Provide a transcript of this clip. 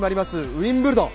ウィンブルドン